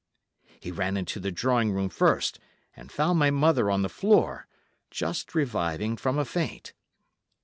"He ran into the drawing room first and found my mother on the floor, just reviving from a faint.